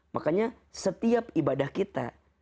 makanya setiap ibadah kita